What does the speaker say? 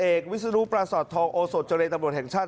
เด็กวิสุทธิ์ปราสอร์ททองโอโสดจริงตำรวจแห่งชาติ